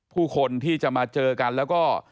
ผู้คนที่จะมาเจอกันแล้วก็